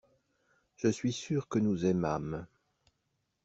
Je suis sûr que nous aimâmes.